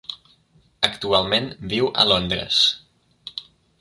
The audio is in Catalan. Actualment viu a Londres.